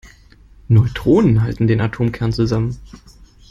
Neutronen halten den Atomkern zusammen.